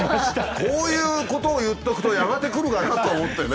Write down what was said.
こういうことを言っとくとやがて来るかなと思ってね